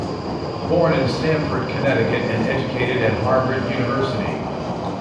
Born in Stamford, Connecticut, and educated at Harvard University.